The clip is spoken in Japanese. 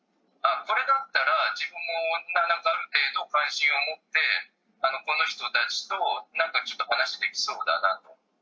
これだったら自分もなんかある程度関心を持って、この人たちとなんか話できそうだなと。